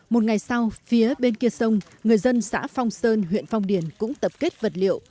một ngày sau phía bên kia sông người dân xã phong sơn huyện phong điền cũng tập kết vật liệu